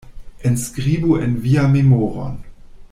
Enskribu en vian memoron.